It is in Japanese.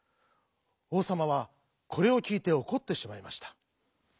おうさまはこれをきいておこってしまいました。